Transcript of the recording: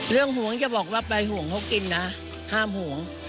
เรื่องห่วงอย่าบอกว่าไปห่วงเขากินนะห้ามห่วง